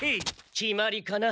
決まりかな？